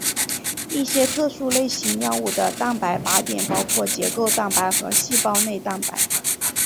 一些特殊类型药物的蛋白靶点包括结构蛋白和细胞内蛋白。